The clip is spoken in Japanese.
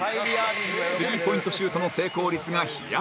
スリーポイントシュートの成功率が飛躍的にアップ！